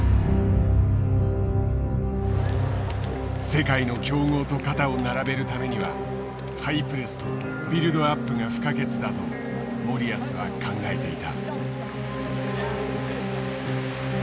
世界の強豪と肩を並べるためにはハイプレスとビルドアップが不可欠だと森保は考えていた。